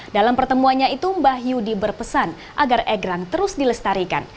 dalam pertemuannya itu mbah yudi berpesan agar egrang terus dilestarikan